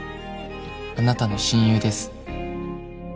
「あなたの親友です」